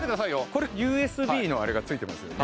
これＵＳＢのあれがついてますよね